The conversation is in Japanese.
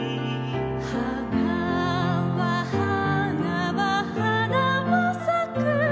「花は花は花は咲く」